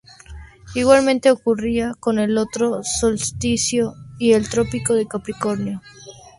Igualmente ocurriría con el otro solsticio y el trópico de Capricornio.